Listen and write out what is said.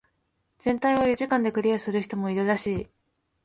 全体を四時間でクリアする人もいるらしい。